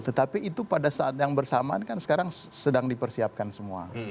tetapi itu pada saat yang bersamaan kan sekarang sedang dipersiapkan semua